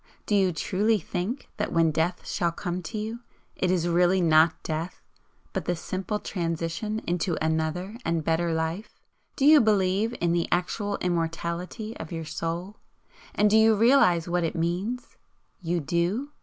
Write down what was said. Do you truly think that when death shall come to you it is really NOT death, but the simple transition into another and better life? Do you believe in the actual immortality of your soul, and do you realise what it means? You do?